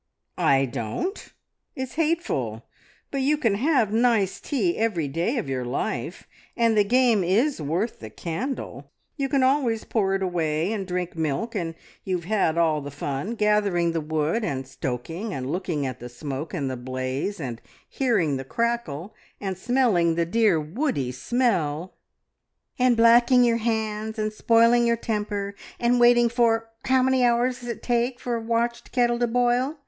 "I don't; it's hateful! But you can have nice tea every day, of your life, and the game is worth the candle! You can always pour it away and drink milk, and you've had all the fun gathering the wood, and stoking, and looking at the smoke, and the blaze, and hearing the crackle, and smelling the dear, woody smell " "And blacking your hands, and spoiling your temper, and waiting for how many hours does it take for a watched kettle to boil?